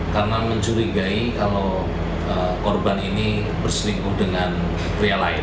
karena mencurigai kalau korban ini berselingkuh dengan pria lain